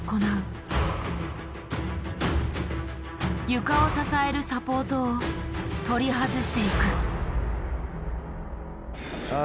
床を支えるサポートを取り外していく。